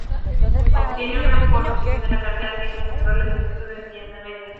Obtiene por oposición la cátedra de Ciencias Naturales del Instituto de Enseñanza Media.